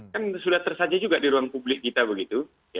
kan sudah tersaji juga di ruang publik kita begitu